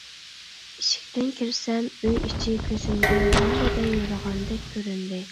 ئىشىكتىن كىرسەم ئۆي ئىچى كۆزۈمگە ۋاللىدە يورۇغاندەك كۆرۈندى.